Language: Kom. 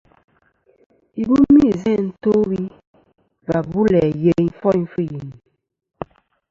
Ibɨmi izæ to wi và bu læ yeyn ɨfoyn fɨ yini.